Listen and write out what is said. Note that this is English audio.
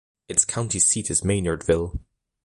Its county seat is Maynardville.